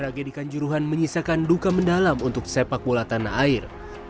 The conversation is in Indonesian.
tragedi kanjuruhan menyisakan duka mendalam untuk sepak bola tanah air